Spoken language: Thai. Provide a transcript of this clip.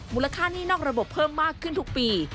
มูลค่านี่นอกระบบเพิ่มมากขึ้นทุกปี